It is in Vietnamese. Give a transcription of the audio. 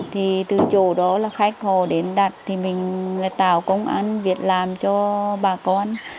thì từ chỗ đó là khách họ đến đặt thì mình lại tạo công an việc làm cho bà con